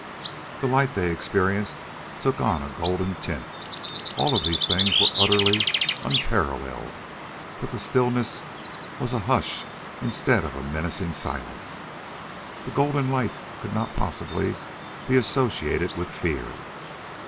The light they experienced took on a golden tint. All of these things were utterly unparalleled, but the stillness was a hush instead of a menacing silence. The golden light could not possibly be associated with fear.